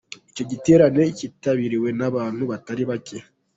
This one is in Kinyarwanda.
Icyo giterane kitabiriwe n'abantu batari bake.